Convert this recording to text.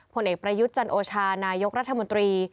ผลเอกประยุทธ์จันโอชานายกรัฐมนตรี